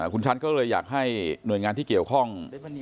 คุณชัดก็เลยอยากให้หน่วยงานที่เกี่ยวข้อง